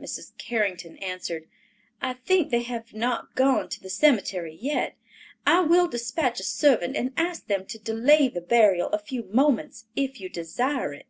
Mrs. Carrington answered, "I think they have not gone to the cemetery yet. I will dispatch a servant and ask them to delay the burial a few moments, if you desire it."